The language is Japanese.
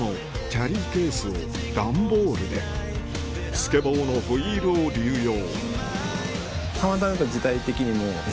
キャリーケースを段ボールでスケボーのホイールを流用